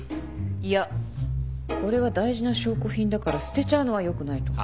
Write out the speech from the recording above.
いやこれは大事な証拠品だから捨てちゃうのはよくないと思う。